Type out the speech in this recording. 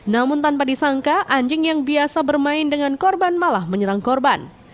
namun tanpa disangka anjing yang biasa bermain dengan korban malah menyerang korban